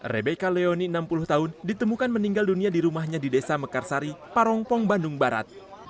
rebeka leoni enam puluh tahun ditemukan meninggal dunia di rumahnya di desa mekarsari parongpong bandung barat